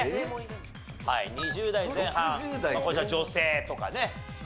２０代前半こちら女性とかね。